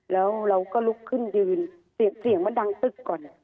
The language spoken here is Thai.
แล้วเราก็ลุกขึ้นยืนเสียงมันดังตึกก่อน